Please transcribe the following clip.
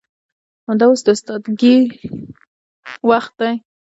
همدا اوس د استادګۍ وخت دى.